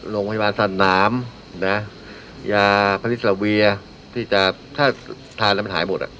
โรงพยาบาลสรรนำรับยาพฤษเวียที่จะการถามันถ่ายหมด